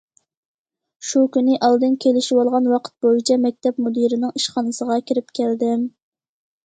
شۇ كۈنى ئالدىن كېلىشىۋالغان ۋاقىت بويىچە، مەكتەپ مۇدىرىنىڭ ئىشخانىسىغا كىرىپ كەلدىم.